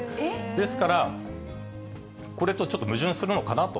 ですから、これとは、ちょっと矛盾するのかなと。